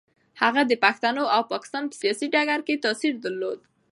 هغه د پښتنو او پاکستان په سیاسي ډګر کې تاثیر درلود.